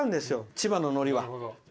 千葉ののりは。